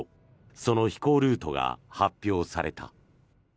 その飛行ルートが発表された。